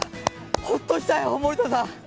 ホッとしたよ、森田さん！